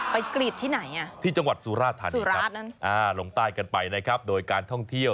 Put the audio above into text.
ไปกรีดที่ไหนอ่ะสุราชน์อ่ะลงใต้กันไปนะครับโดยการท่องเที่ยว